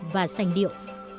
và sành điệu